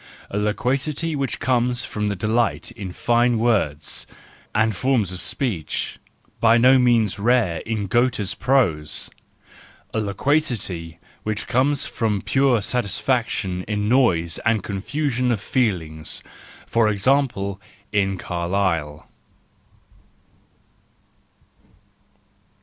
A loquacity which comes from delight in fine words and forms of speech: by no means rare in Goethe's prose. A loquacity which comes from pure satisfaction in noise and confusion of feelings : for example in Carlyle.